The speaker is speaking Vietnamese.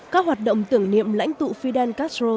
các hoạt động tưởng niệm lãnh tụ fidel castro